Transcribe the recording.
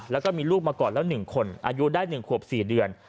แล้วก็มีลูกมาก่อนแล้ว๑คนอายุได้๑ขวบ๔เดือน